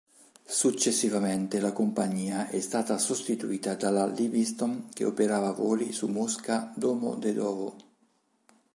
Successivamente la compagnia è stata sostituita dalla Livingston che operava voli su Mosca Domodedovo.